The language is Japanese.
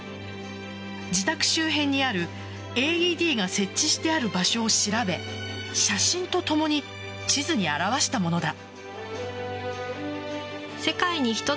自宅周辺にあるＡＥＤが設置してある場所を調べ写真とともに地図に表したものだ。